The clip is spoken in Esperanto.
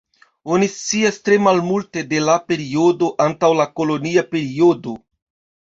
Oni scias tre malmulte de la periodo antaŭ la kolonia periodo.